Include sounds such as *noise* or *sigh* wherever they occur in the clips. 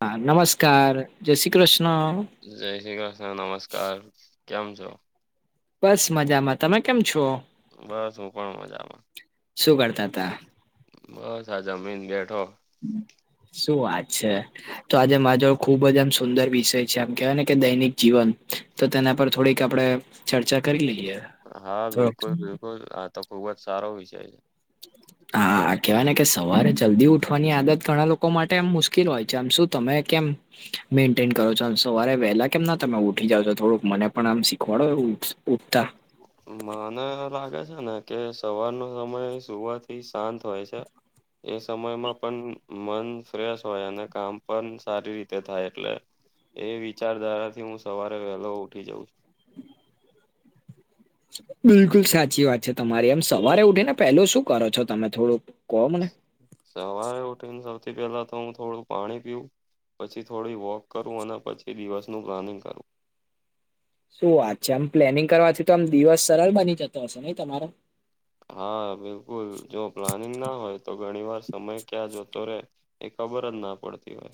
હા નમસ્કાર જય શ્રી કૃષ્ણ. જય શ્રી કૃષ્ણ નમસ્કાર કેમ છો? બસ મજામાં તમે કેમ છો? બસ હું પણ મજામાં. શું કરતા હતા? બસ આ જમીન બેઠો. શું વાત છે, તો આજે મા જોડે ખૂબ જ આમ સુંદર વિષય છે આમ કહેવાય ને કે દૈનિક જીવન તો તેના પર થોડીક આપણે ચર્ચા કરી લઈએ. હા થોડક બિલકુલ બિલકુલ આ તો ખુબ જ સારો વિષય છે. *inaudible* હા કહેવાય ને કે સવારે જલ્દી ઉઠવાની આદત ઘણા લોકો માટેમ મુશ્કેલ હોય છે આમ શું તમે કેમ મેન્ટેન કરો છો સવારે વહેલા કેમ ના તમે ઉઠી જાવ છો થોડુંક મને પણ આમ શીખવાડો ઉ ઉઠતા. મને લાગે છે ને કે સવારનો સમય સુવાર થી શાંત હોય છે. એ સમયમાં પણ મન ફ્રેશ હોય અને કામ પણ સારી રીતે થાય એટલે એ વિચારધારા થી હું સવારે વહેલો ઉઠી જાઉ છું. બિલકુલ સાચી વાત છે તમારી એમ સવારે ઉઠી ને પેલો શું કરો છો તમે થોડુંક કહોને? સવારે ઉઠીને સૌથી પેલા તો હું થોડું પાણી પીવું પછી થોડી વોક કરું અને પછી દિવસનું પ્લાનિંગ કરું. શું વાત છે આમ પ્લેનિંગ કરવાથી તો આમ દિવસ સરળ બની જતો હશે નહી તમારો હા બિલકુલ જો પ્લાનિંગ ના હોય તો ઘણી વાર સમય ક્યાં જોતો રે એ ખબર જ ના પડતી હોય.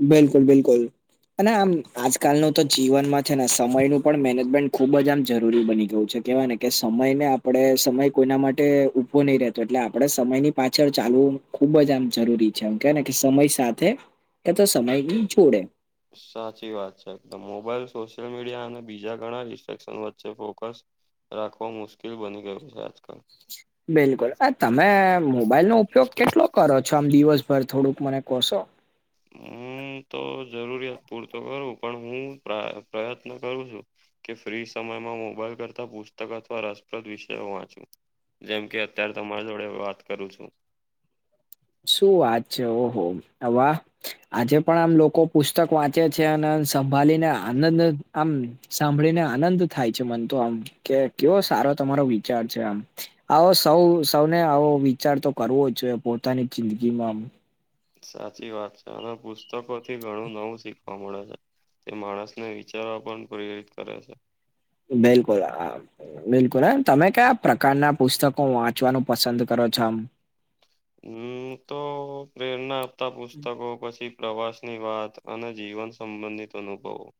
બિલકુલ બિલકુલ અને આમ આજકાલનું તો જીવનમાં છે ને સમયનું પણ મેનેજમેન્ટ ખુબ જ આમ જરૂરી બની ગયું છે. કેવાય ને કે સમયને આપણે સમય કોઈના માટે ઉભો નહી રહેતો એટલે આપણેે સમયની પાછળ ચાલવું ખુબ જ આમ જરૂરી છે, એમ કે ને કે સમય સાથે એ તો સમય જોડે. સાચી વાત છે એકદ મોબાઈલ સોશિયલ મીડિયા અને બીજા ઘણા ડિસ્ટક્શન વચ્ચે ફોકસ રાખવો મુશ્કેલ બની ગયો છે આજકાલ. બિલકુલ આ તમે મોબાઈલ નો ઉપયોગ કેટલો કરો છો આમ દિવસભર થોડુંક મને કેશો? હમ *inaudible* તો જરૂરિયાત પૂરતો કરું પણ હું પ્ર પ્રયત્ન કરું છું. કે ફ્રી સમયમાં મોબાઈલ કરતા પુસ્તક અથવા રસપ્રદ વિષયો વાંચુ. જેમ કે અત્યારે તમારા જોડે વાત કરું છું. શું વાત છે, ઓહો હ વાહ. આજે પણ આમ લોકો પુસ્તક વાંચે છે અને સંભાળીને આનંદ આમ સાંભળીને આનંદ થાય છે મન તો આમ કે કેવો સારો તમારો વી ચાર છે આ આવો સૌ સૌને આવો વિચાર તો કરવો જઈએ પો તાની જિંદગીમાં. સાચી વાત છે અને પુસ્તકો થી ઘણું નવું શીખવા મળે છે. તે માણસને વિચારવા પણ પ્રેરિત કરે છે. બિલકુલ હા બિલકુલ હમ તમે કયા પ્રકારના પુસ્તકો વાંચવાનું પસંદ કરો છો આમ- હમ તો પ્રેરણા આપતા પુસ્તકો પછી- પ્રવાસની વાત અને જીવન સંબંધિત અનુભવો-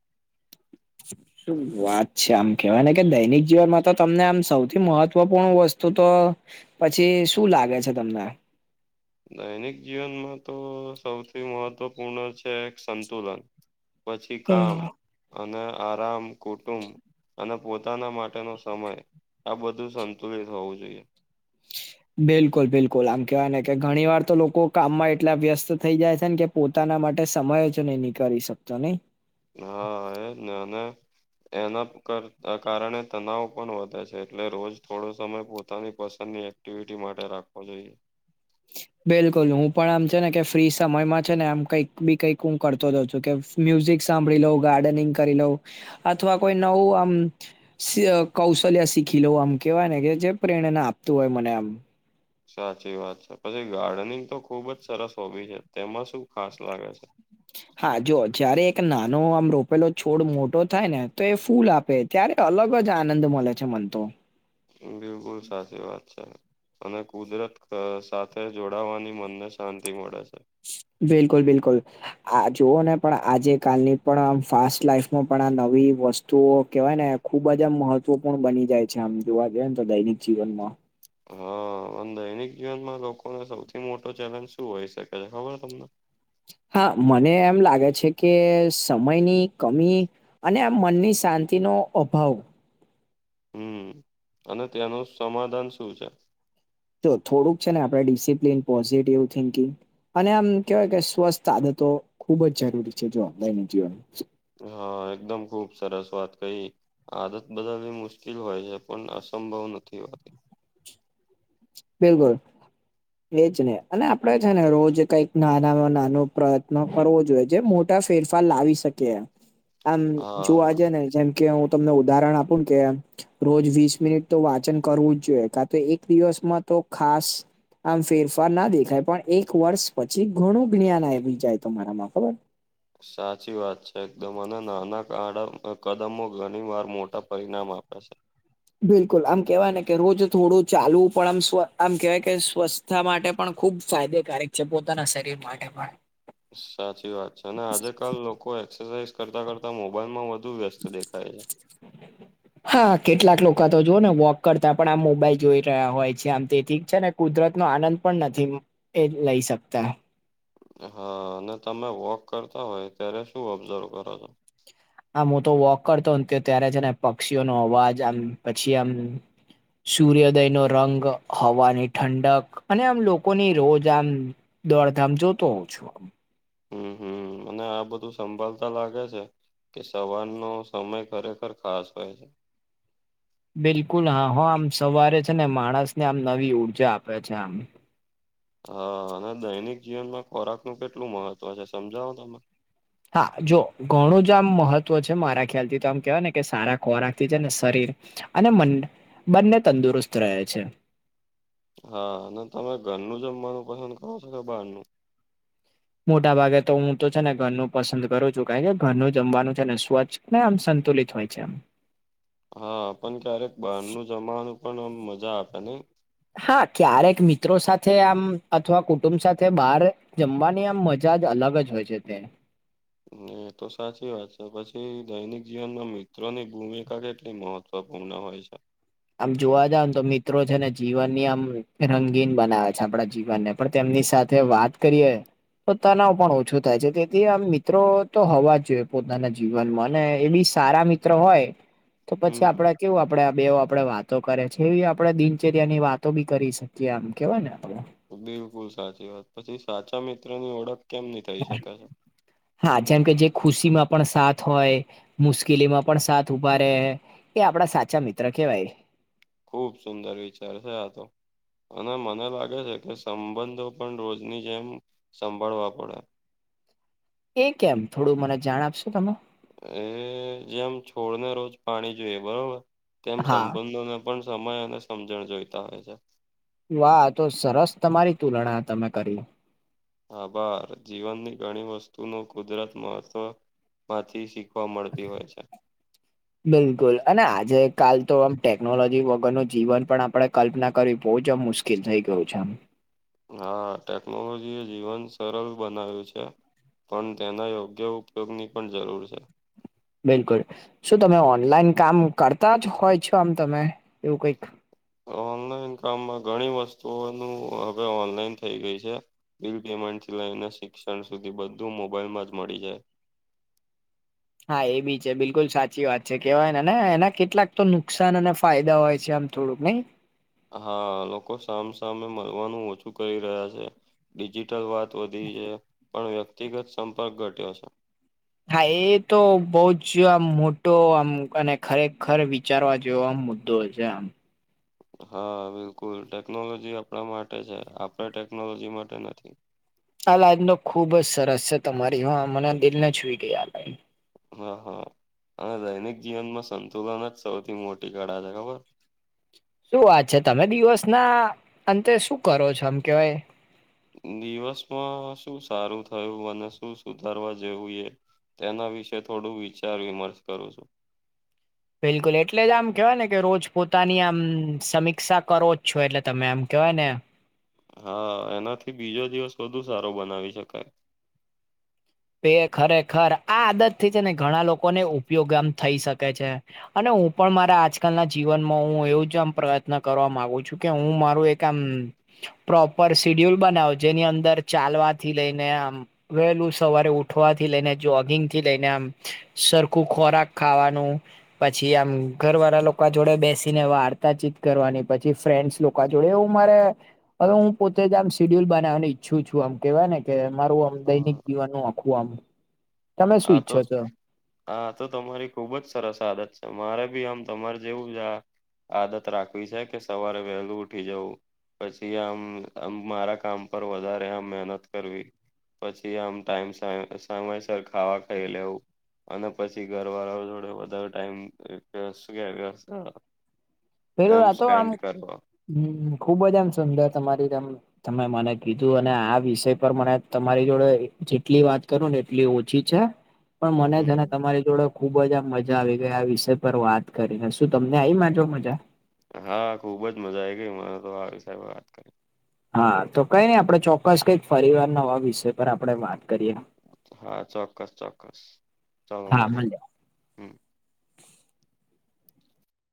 શું વાત છે આમ કેવાય ને કે દૈનિક જીવનમાં તો તમને આમ સૌથી મહત્વપૂર્ણ વસ્તુ- ત તો પછી શું લાગે છે તમને- દૈનિક જીવનમાં તો સૌથી મહત્વપૂર્ણ છે સંતુલન- પછી હમ કામ અને આરામ કુટુંબ અને- પોતાના માટેનો સમય આ બધું સંતુલિત હોવું જોઈએ- બિલકુલ બિલકુલ આમ કેવાય ને કે ઘણી વાર તો લોકો કામમાં એટલા વ્યસ્ત થઈ જાય છે ને કે- પોતાના માટે સમય જ નહી નીકારળી શકતો નહી. હા હ ના ના- એના કર કારણે તનાવ પણ વધે છે. એટલે રોજ થોડો સમય પોતાની પસંદની એક- એક્ટિવિટી માટે રાખો જોઈએ- બિલકુલ હું પણ આમ છે ને કે ફ્રી સમયમાં છે ને આમ કઈક બી કઈક હું કરતો રહઉં છું કે- મ્યુઝિક સાંભળી લોઉ ગાર્ડનિંગ કરી લઉ અથવા કોઈ નવું આમ- કૌશલ્ય શીખી લો આમ કેવાય ને કે જે પ્રેરણા આપતું હોય મને આમ- સાચી વાત છે પછી ગાર્ડનિંગ તો ખુબ જ સરસ હોબી છે તેમાં શું ખાસ લાગે છે. હા જો જયારે એક નાનો આમ રોપેલો છોડ મોટો થાય ને તો એ ફૂલ આપે- ત્યારે અલગ જ આનંદ મળે છે મન તો- બિલકુલ સાચી વાત છે. અને કુદરત સાથે જોડાવાની મનને શાંતિ મળે છે. બિલકુલ બિલકુલ આ જોુવ ને પણ આજે કલની પણ આમ ફાસ્ટ લાાઈફમાં પણ આ નવી વસ્તુઓ કેહેવાય ને- ખુબ જજ આ મહત્વપૂર્ણ બની જાય છે આમ જોવા જઈએ ને તો દૈનિક જીવનમાં- હા અને દૈનિક જીવનમાં લોકોને સૌથી મોટો ચેલેન્જ શું હોઈ શકે છે ખબર તમને- હા મને એમ લાગે છે કે સમયની કમી- અને આમ મનની શાંતિનો અભાવ- હમ અને તેયાનું સમાધાન શું છે. તો થોડુંક છે ને આપણે ડિસિપ્લિન પોઝિટિવ થિંકિંગ- અને આમ કેવાય કે સ્વસ્થ આદતો ખુબ જ જરૂરી છે. જો દૈનિક જીવન- હા એકદમ ખુબ સરસ વાત કઈ- આદત બદલવી મુશ્કેલ હોય છે પણ અસંભવ નથી હોતી- બિલકુલ- એજ ને અને આપડે છે ને રોજ કઈક નાનામાં નાનો પ્રયત્ન કરવો જોઈએ જે મો- મોટા ફેરફાર લાવી શકે આમ જોવા હા. જે ને જેમ- કે હું તમને ઉદાહરણ આપું ને કેમ- રોજ વીસ મિનિટ તો વાંચન કરવું જ જોઈએ કા તો એક દિવસમાં તો ખાસ- આમ ફેરફાર ના દેખાય પણ એક વર્ષ પછી ઘણું જ્ઞાન આવી જાય તમારામાં ખબર- સાચી વાત છે એકદમ અને નાના કદમો ઘણી વાર મોટા પરિણામ આપ્યા છે. બિલકુલ આમ કેહેવાય ને કે રોજ થોડું ચાલવું પણ આમવ આમ કહેવાય કે સ્વસ્થ- માટે પણ ખૂબ ફાયદેકારક છે પોતાના શરીર માટે પણ- સાચી વાત છે અને આજે કલ લોકો એક્સરસાઇઝ કરતા કરતા મોબાઈલ માં વધુ વ્યસ્ત દેખાય છે. *inaudible* હા કેટલાક લોકો તો જો ને વોક કરતા પણ આમ મોબાઈલ જોઈ રહ્યા હોય છે. આમ તે ઠીક છે ને- કુદરત નો આનંદ પણ નથી એ લઈ શકતા- હા અને તમે વોક કરતા હોય ત્યારે શું ઓબ્ઝર્વ કરો છો? આમ હું તો વોક કરતો ત્યારે છે ને પક્ષીઓ ન અવાજ આમ પછી આમ- સૂર્યોદય નો રંગ હવાની ઠંડક અને આમ લોકોની રોજ આમ- દોડધામ જોતો હોઉં છું આમ- હમ હમ અને આ બધું સંભલાતા લાગે છે કે સવારનો સમય ખરેખર ખાસ હોય છે. બિલકુલ હા હો આમ સવારે છે ને માણસને આમ નવી ઉર્જા આપે છે આમ. હા અને દૈનિક જીવનમાં ખોરાકનું કેટલું મહત્વ છે સમજાવો તમે? હા જો ઘણું જ આમ મહત્વ છે મારા ખ્યાલથી તો આમ કેહેવાય ને કે સારા ખોરાક થી છે ને શરીર અને મન બંને તંદુરસ્ત રહે છે. હા અને તમે ઘરનું જમવાનું પસંદ કરો છો કે બહારનું? મોટા ભાગે તો હું તો છે ને ઘરનું પસંદ કરું છું. કારણ કે ઘરનું જમવાનું છે ને સ્વચ્છ ને આમ સંતુલિત હોય છે આમ. હા પણ ક્યારેક બહારનું જમવાનું પણ આમ મજા આપે નહી? હા ક્યારેક મિત્રો સાથે આમ અથવા કુટુંબ સાથે બારે જમવાની આમ મજા જ અલગ જ હોય છે તે. હહ એતો સાચી વાત છે. પછી દૈનિક જીવનમાં મિત્રોની ભૂમિકા કેટલી મહત ત્વપૂર્ણ હોય છે? આમ જોવા જાવને તો મિત્રો છે ને જીવનની આમ રંગીન બનાવે છે આપડા જીવનને. પણ તેમની સાથે વાત કરીએ તો તનાવ પણ ઓછો થાય છે તેથી આમ મિત્રો તો હોવા જોઈએ. પોતાના જીવનમાં અને એ બી સારા મિત્રો હોય તો હમ પછી આપડે કેવું આપડે આ બે આપડે વાતો કરે છે. એવી આપણેે દિનચર્યાની વાતો બી કરી શકીએ આમ કેવાય ને આપણે બિલકુલ સાચી વાત. પછી સાચા મિત્રની ઓળખ કેમની થઈ શકે છે? હા જેમ કે જે ખુશીમાં પણ સાથ હોય, મુશ્કેલીમાં પણ સાથ ઉભા રહેે. એ આપડા સાચા મિત્ર કેવાય. ખુબ સુંદર વિચાર છે આતો. અને મને લાગે છે કે સંબંધો પણ રોજની જેમ સંભાળવા પડે. એ કેમ થોડું મને જાણ આપશો તમે? એ જેમ છોડને રોજ પાણી જોઈએ બરોબર. તેમ હા સંબંધોને પણ સમય અને સમજણ જોઈતા હોય છે. વાહ! આતો સરસ તમારી તુલના તમે કરી. આભાર. જીવનની ઘણી વસ્તુનો કુદરત મહત્વ માંથી શીખવા મળતી હોય છે. બિલકુલ અને આજે કાલ તો આમ ટેકનોલોજી વગરનું જીવન પણ આપડે કલ્પના કરવી બહુ જ આમ મુશ્કેલ થઈ ગયું છે આમ. હા ટેકનોલોજી એ જીવન સરળ બનાવ્યું છે. પણ તેના યોગ્ય ઉપયોગની પણ જરૂર છે. બિલકુલ. શું તમે ઓનલાઈન કામ કરતા જ હોય છો આમ તમે એવું કઈક? ઓનલાઈન કામમાં ઘણી વસ્તુઓનું હવે ઓનલાઈન થઈ ગઈ છે. બિલ પેમેન્ટથી લઈને શિક્ષણ સુધી બધું મોબાઈલમાં જ મળી જાય. હા એ બી છે. બિલકુલ સાચી વાત છે. કેવાયને ને એના કેટલાક તો નુકસાન અને ફાયદા હોય છે આમ. થોડુંક નઈ? હા લોકો સામસામે મળવાનું ઓછું કરી રહ્યા છે. ડિજિટલ વાત વધી છે. પણ વ્યક્તિગત સંપર્ક ઘટ્યો છે. હા એ તો બઉ જ આમ મોટો આમ અને ખરેખર વી ચારવા જેવો આમ મુદ્દો છે આમ. હા બિલકુલ. ટેકનોલોજી આપણા માટે છે, આપણે ટેકનોલોજી માટે નથી. આ લાઈન તો ખુબ જ સરસ છે. તમારી હો મને દિલને છુઈ ગઈ આ લાઈન. હા હા અને દૈનિક જીવનમાં સંતુલન જ સૌથી મોટી કળા છે ખબર? શું વાત છે. તમે દિવસ ના અંતે શું કરો છો આમ કેવાય? દિવસમાં શું સારું થયું અને શું સુધારવા જેવું એ તેના વિશે થોડું વિચાર વિમર્શ કરું છું. બિલકુલ એટલે જ આમ કહેવાય ને કે રોજ પોતાની આમ સમીક્ષા કરો જ છો. એટલે તમે આમ કહેવાય ને હા એનાથી બીજો દિવસ વધુ સારો બનાવી શકાય. બેે ખરે ખર આ આદત થી છે ને ઘણા લોકોને ઉપયોગ આમ થઈ શકે છે. અને હું પણ મારા આજકાલના જીવનમાં હું એવું જ આમ પ્રયત્ન કરવા માગુ છું કે હું મારું એક. કમ. પ્રોપર સીડ્યુલ બનાવો જેની અંદર ચાલવાથી લઈને આમ વેલું. સવારે ઉઠવાથી લઈને જોગિંગ થી લઈને આમ સરખું ખોરાક ખાવાનું. પછી આમ ઘર વાળા લોકો જોડે બેસીને વાર્તાચીત કરવાની પછી ફ્રેન્ડ્સ લોક. જોડે એવું મારે હવે હું પોતે જ આમ સેડ્યુલ બનાવાની ઈચ્છું છું આમ કેવાય ને કે. મારું આમ દૈનિક હા જીવન નું આખું આમ. તમે શું આતો. ઈચ્છો છો હા આતો તમારી ખુબ જ સરસ આદત છે મારે ભી આમ તમારે જેવું આ. આદત રાખવી છે કે સવારે વહેલું ઉઠી જવું. પછી આમ આમ મારા કામ પર વધારે આમ મહેનત કરવી. પછી આમ ટાઈમ સમયસર ખાવા ખાઈ લેવું. અને પછી ઘર વાળા જોડે વધારે ટાઈમ કે શું કેવાય વ. પેલું આતો આમ ખુબ જ આમ સુંદર તમારી તમ. તમે મને કીધું અને આ વિષય પર મને તમારી જોડે જેટલી વાત. કરું ને એટલી ઓછી છે પણ મને છેને હમ તમારી જોડે. ખુબ જ આમ મજા આવી ગઈ આ વિષય પર વાત કરીને શું તમને આઈ મારી જોડ મજા. હા ખુબ જ મજા આઈ ગઈ મને તો આ વિષય વાત કરી. હા તો કઈ નઈ આપડે ચોક્કસ કઈક ફરીવાર નવા વિષય પર આપડે વાત. કરીએ હા ચોક્કસ ચોક્કસ ચાલો હા મલે મળીએ હમ.